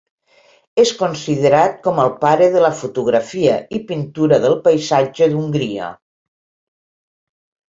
És considerat com el pare de la fotografia i pintura del paisatge d'Hongria.